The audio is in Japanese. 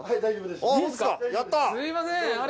すいません。